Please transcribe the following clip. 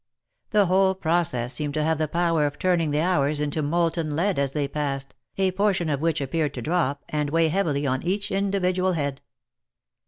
The whole process seemed to have the power of turning the hours into molten lead as they passed, a portion of which appeared to drop, and weigh heavily on each individual head.